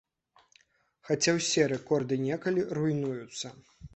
Хаця ўсе рэкорды некалі руйнуюцца.